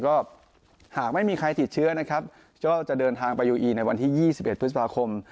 ก็หากไม่มีใครติดเชื้อนะครับก็จะเดินทางไปยูอีในวันที่๒๑พฤษภาคม